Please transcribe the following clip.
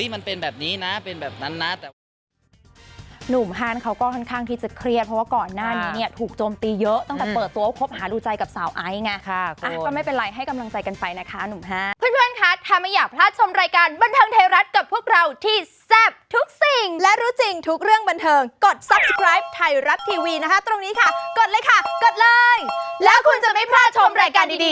มันเป็นแบบนี้นะเป็นแบบนั้นนะ